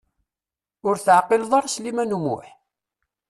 Ur teɛqileḍ ara Sliman U Muḥ?